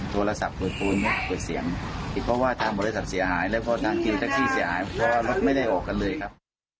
โทรศัพท์เปิดปูนเนี่ยเกิดเสียงเพราะว่าทางบริษัทเสียหายแล้วพอนั่งกินแท็กซี่เสียหายเพราะว่ารถไม่ได้ออกกันเลยครับ